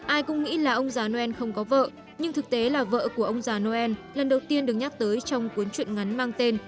ai cũng nghĩ là ông già noel không có vợ nhưng thực tế là vợ của ông già noel lần đầu tiên được nhắc tới trong cuốn chuyện ngắn mang tên